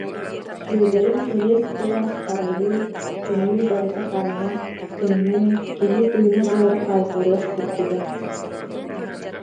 Сүөдэрин кэриэс тыла, харайыы, көмүү барыта хараҥа, тымныы, киһи тыына-быара хаайтарыах курдуга